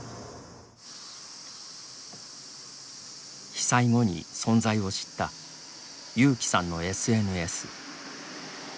被災後に存在を知った友紀さんのＳＮＳ。